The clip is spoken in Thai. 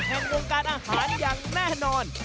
แห่งวงการอาหารอย่างแน่นอน